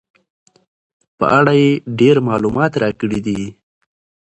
په اړه یې ډېر معلومات راکړي دي.